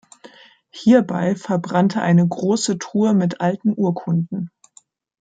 Hierbei verbrannte eine große Truhe mit alten Urkunden.